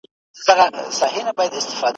دنده پیدا کول باید د څيړني یوازېنۍ موخه نه وي.